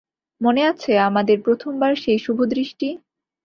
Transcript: মনে আছে–আমাদের প্রথমবার সেই শুভদৃষ্টি?